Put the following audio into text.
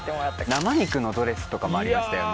生肉のドレスとかもありましたよね。